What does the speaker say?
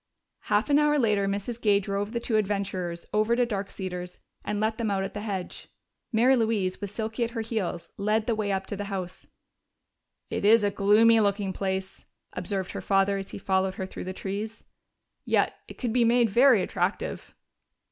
Half an hour later Mrs. Gay drove the two adventurers over to Dark Cedars and let them out at the hedge. Mary Louise, with Silky at her heels, led the way up to the house. "It is a gloomy looking place," observed her father as he followed her through the trees. "Yet it could be made very attractive."